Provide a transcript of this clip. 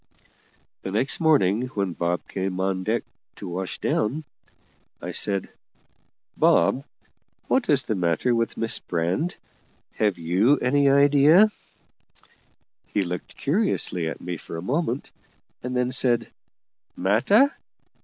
The next morning, when Bob came on deck to wash down, I said: "Bob, what is the matter with Miss Brand? have you any idea?" He looked curiously at me for a moment, and then said: "Matter?